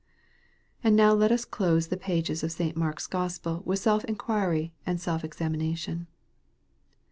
And now let us close the pages of St. Mark's Gospel with self inquiry and self examination.